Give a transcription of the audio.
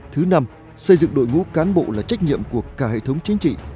thứ năm xây dựng đội ngũ cán bộ là trách nhiệm của cả hệ thống chính trị